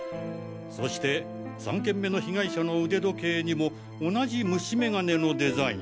そして３件目の被害者の腕時計にも同じ虫眼鏡のデザイン。